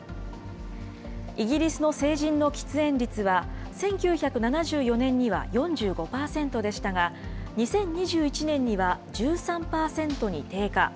イギリスの成人の喫煙率は１９７４年には４５％でしたが、２０２１年には１３％に低下。